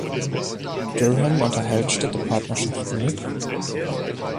Durham unterhält Städtepartnerschaften mit